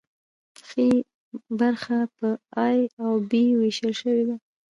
ښي برخه په ای او بي ویشل شوې ده.